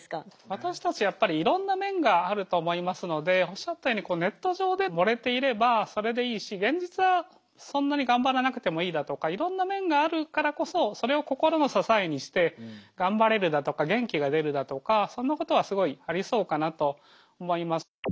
私たちやっぱりいろんな面があると思いますのでおっしゃったようにネット上で盛れていればそれでいいし現実はそんなに頑張らなくてもいいだとかいろんな面があるからこそそれを心の支えにして頑張れるだとか元気が出るだとかそんなことはすごいありそうかなと思います。